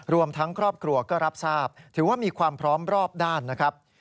รวมทั้งครอบครัวก็รับทราบถือว่ามีความพร้อมรอบด้านนะครับ